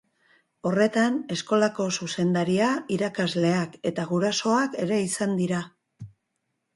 Horretan, eskolako zuzendaria, irakasleak eta gurasoak ere izan dira.